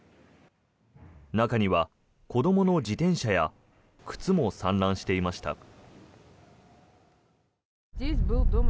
中には子どもの自転車や靴も散乱していました。